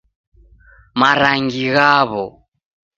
Marangi ghawo